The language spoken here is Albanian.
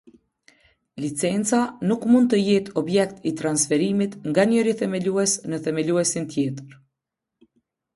Licenca nuk mund të jetë objekt i transferimit nga njëri themelues në themeluesin tjetër.